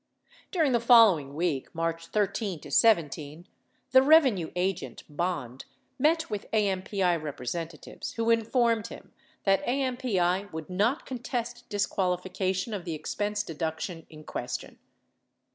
During the following week (March 13 17) , the revenue agent, Bond, met with AMPI representatives who informed him that AMPI would not contest disqualification of the expense deduction in question.